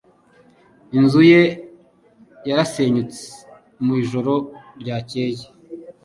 Inzu ye yarasenyutse mu ijoro ryakeye.